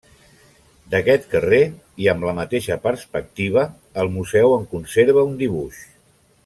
D'aquest carrer i amb la mateixa perspectiva, el museu en conserva un dibuix.